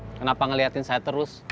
kenapa ngelihatin saya terus